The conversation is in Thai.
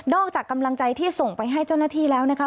จากกำลังใจที่ส่งไปให้เจ้าหน้าที่แล้วนะคะ